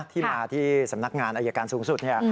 ที่มาที่สำนักงานอายการสูงสุด